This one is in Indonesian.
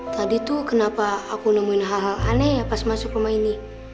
tadi tuh kenapa aku nemuin hal hal aneh ya pas masuk rumah ini